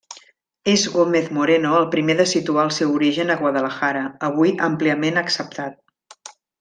És Gómez-Moreno el primer de situar el seu origen a Guadalajara, avui àmpliament acceptat.